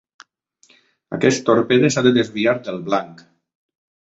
Aquest torpede s'ha de desviar del blanc.